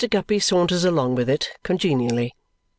Guppy saunters along with it congenially.